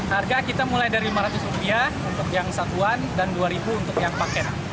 harga kita mulai dari lima ratus rupiah untuk yang satuan dan dua ribu untuk yang paket